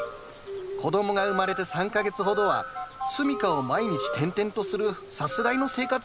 子供が生まれて３か月ほどは住みかを毎日転々とするさすらいの生活はできないんだ。